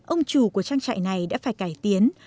ông chủ của trang trại này đã phải cải tiến